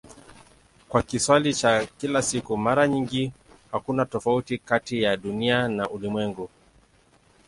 Kwa Kiswahili cha kila siku mara nyingi hakuna tofauti kati ya "Dunia" na "ulimwengu".